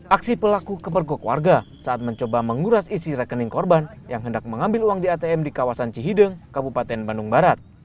aksi pelaku kepergok warga saat mencoba menguras isi rekening korban yang hendak mengambil uang di atm di kawasan cihideng kabupaten bandung barat